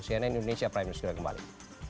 cnn indonesia prime news segera kembali